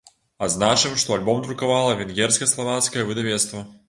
Адзначым, што альбом друкавала венгерска-славацкае выдавецтва.